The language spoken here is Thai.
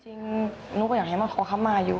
จริงหนูก็อยากให้มาขอคำมาอยู่